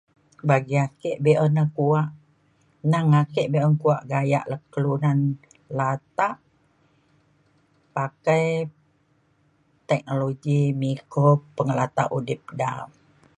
bagi ake be'un na kuak nang be'un kuak gayak kelunan latak pakai teknologi miko pengelatak udip da